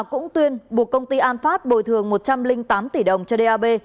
cũng tuyên buộc công ty an phát bồi thường một trăm linh tám tỷ đồng cho dap